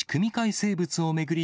生物を巡り